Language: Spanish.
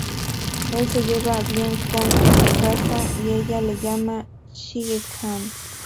Él se lleva bien con Tsukasa, y ella le llama"Shige-chan".